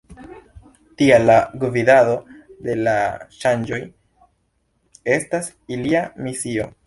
Tial la gvidado de la ŝanĝoj estas ilia misio.